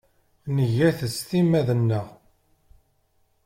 Nga-t s timmad-nneɣ.